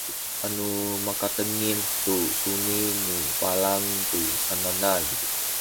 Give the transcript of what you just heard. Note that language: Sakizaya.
anu makatengil tu suni nu palang tu sananal